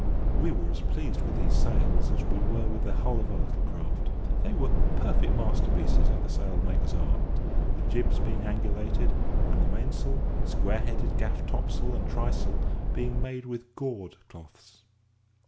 We were as pleased with these sails as we were with the hull of our little craft. They were perfect masterpieces of the sailmaker's art, the jibs being angulated, and the mainsail, square headed gaff topsail, and trysail being made with gored cloths.